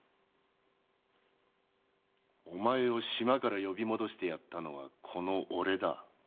お前を島から呼び戻してやったのはこの俺だ。